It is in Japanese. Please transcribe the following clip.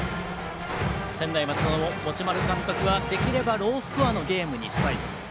専大松戸の持丸監督はできればロースコアのゲームにしたいと。